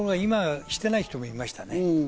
ところが今してない人がいましたね。